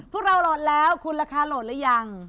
พวกเราโหลดแล้วคุณราคาโหลดหรือยัง